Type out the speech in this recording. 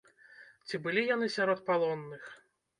Ці былі яны сярод палонных?